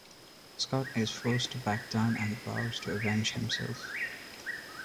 Scott is forced to back down and vows to avenge himself.